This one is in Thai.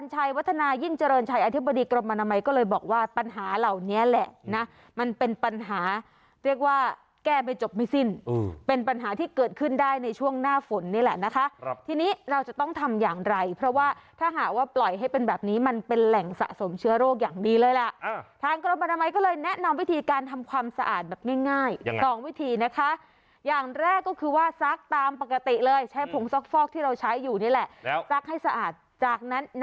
แห้งหน้าฝนนี่แหละนะคะทีนี้เราจะต้องทำอย่างไรเพราะว่าถ้าหาว่าปล่อยให้เป็นแบบนี้มันเป็นแหล่งสะสมเชื้อโรคอย่างดีเลยล่ะอ่าทางกรมอนามัยก็เลยแนะนำวิธีการทำความสะอาดแบบง่ายง่ายยังไงสองวิธีนะคะอย่างแรกก็คือว่าซักตามปกติเลยใช้ผงซอกฟอกที่เราใช้อยู่นี่แหละแล้วซักให้สะอาดจากนั้นน